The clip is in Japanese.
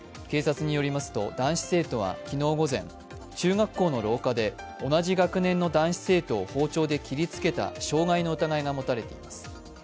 警察によりますと男子生徒は昨日午前、中学校の廊下で同じ学年の男子生徒を包丁で切りつけた傷害の疑いが持たれています。